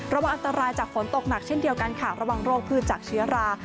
ระวังอันตรายจากฝนตกหนักเช่นเดียวกันค่ะระวังโรคพืชจากเชื้อรา